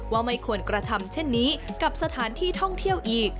ว่าไม่ควรกระทำเช่นนี้กับสถานที่ท่องเที่ยวอีก